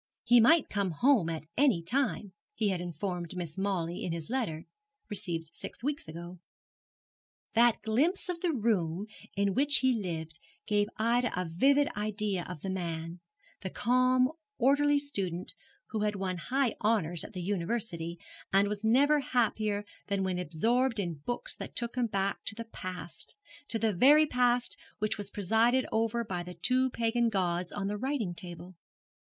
He might come home at any time, he had informed Mrs. Mawley in his last letter, received six weeks ago. That glimpse of the room in which he lived gave Ida a vivid idea of the man the calm, orderly student who had won high honours at the University, and was never happier than when absorbed in books that took him back to the past to that very past which was presided over by the two pagan gods on the writing table.